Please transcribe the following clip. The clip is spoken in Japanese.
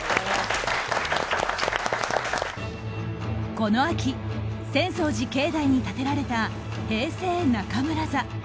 この秋浅草寺境内に建てられた「平成中村座」。